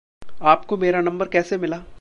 आपको मेरा नंबर कैसे मिला?